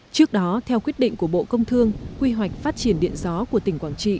trước đó theo quyết định của bộ công thương quy hoạch phát triển điện gió của tỉnh quảng trị